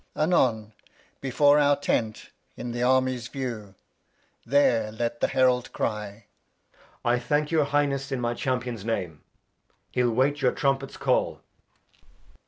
Alb. Anon, before our Tent, i' th' Army's View, There let the Herald cry. Edg. I thank your Highness in my Champion's Name, He'U wait your Trumpet's Call.